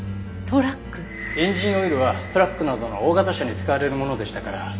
エンジンオイルはトラックなどの大型車に使われるものでしたから。